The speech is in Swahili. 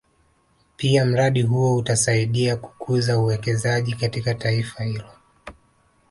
Pia mradi huo utasaidia kukuza uwekezaji katika taifa hilo